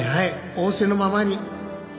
仰せのままに」